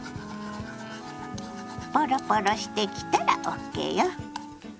ポロポロしてきたらＯＫよ。